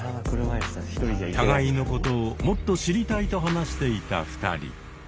互いのことをもっと知りたいと話していた２人。